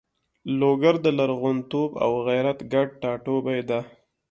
لوګر د لرغونتوب او غیرت ګډ ټاټوبی ده.